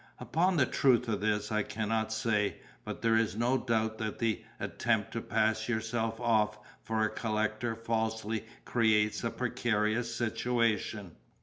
Upon the truth of this, I cannot say; but there is no doubt that the attempt to pass yourself off for a collector falsely creates a precarious situation.